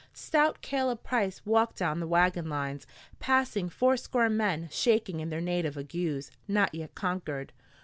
Stout Caleb Price walked down the wagon lines, passing fourscore men shaking in their native agues, not yet conquered.